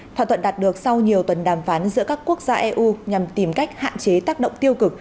thỏa thuận đạt được sau nhiều tuần đàm phán giữa các quốc gia eu nhằm tìm cách hạn chế tác động tiêu cực